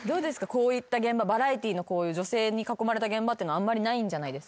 こういった現場バラエティーのこういう女性に囲まれた現場ってのはあんまりないんじゃないですか？